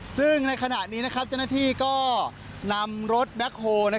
ซึ่งในขณะนี้เจ้าหน้าที่ก็นำรถแบ็คโฮล